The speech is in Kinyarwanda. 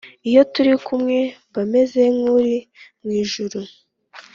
Iyo turi kumwe mba meze nkuri mu ijuru